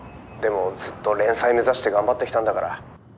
「でもずっと連載目指して頑張ってきたんだから」